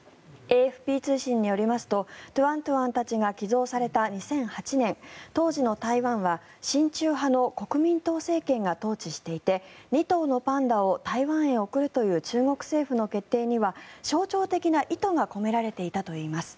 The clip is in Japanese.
ＡＦＰ通信によりますとトゥアン・トゥアンたちが寄贈された２００８年当時の台湾は親中派の国民党政権が統治していて２頭のパンダを台湾に贈るという中国政府の決定には象徴的な意図が込められていたといいます。